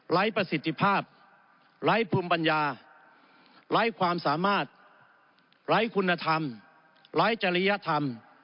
ประสิทธิภาพไร้ภูมิปัญญาไร้ความสามารถไร้คุณธรรมไร้จริยธรรม